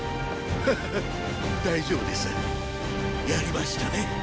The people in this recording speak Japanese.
ハハ大丈夫ですやりましたね。